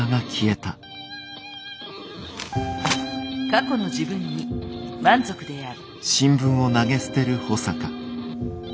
過去の自分に満足である。